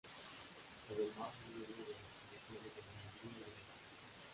Además, es miembro de las Comisiones de Minería y Energía.